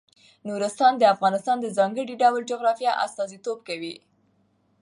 نورستان د افغانستان د ځانګړي ډول جغرافیه استازیتوب کوي.